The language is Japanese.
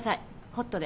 ホットで。